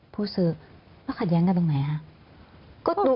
ผู้ซื้อแล้วขัดแย้งกันตรงไหนครับ